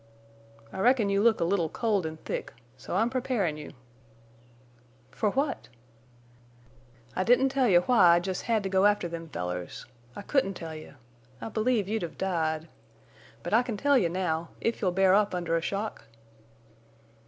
"I reckon you look a little cold an' thick. So I'm preparin' you." "For what?" "I didn't tell you why I jest had to go after them fellers. I couldn't tell you. I believe you'd have died. But I can tell you now—if you'll bear up under a shock?"